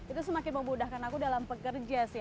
itu semakin memudahkan aku dalam pekerja sih